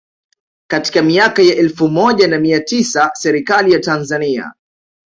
Katika miaka ya elfu moja na mia tisa Serikali ya Tanzania